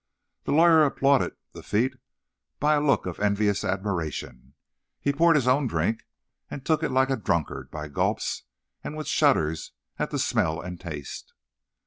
The lawyer applauded the feat by a look of envious admiration. He poured his own drink, and took it like a drunkard, by gulps, and with shudders at the smell and taste.